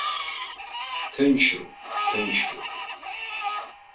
Ҭынчроуп, ҭынчроуп!